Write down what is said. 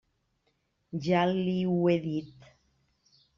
Ja li ho he dit.